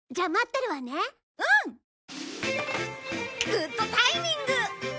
グッドタイミング！